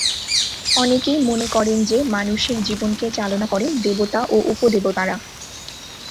অনেকেই মনে করেন যে, মানুষের জীবনকে চালনা করেন দেবতা ও উপদেবতারা।